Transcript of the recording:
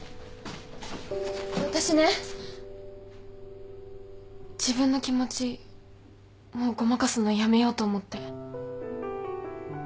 私ね自分の気持ちもうごまかすのやめようと思って。